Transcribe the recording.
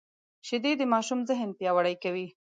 شیدې د ماشوم ذهن پیاوړی کوي